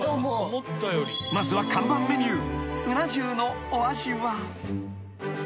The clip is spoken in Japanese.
［まずは看板メニュー］